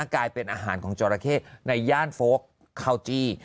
กลายเป็นอาหารจรเข้ในย่านโฟคเขาจี้